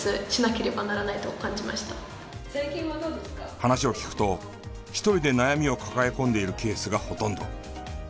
話を聞くと１人で悩みを抱え込んでいるケースがほとんど。